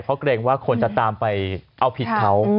เพราะเกรงว่าคนจะตามไปเอาผิดเขา